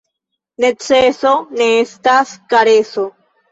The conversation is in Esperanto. Neceso ne estas kareso.